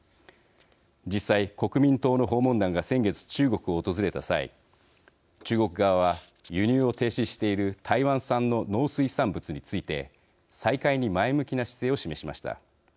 実際、国民党の訪問団が先月、中国を訪れた際中国側は輸入を停止している台湾産の農水産物について再開に前向きな姿勢を示しました。